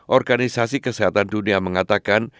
organisasi kesehatan dunia mengatakan